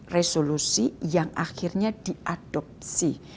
resolusi yang akhirnya diadopsi